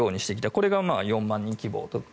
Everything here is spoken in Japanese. これが４万人規模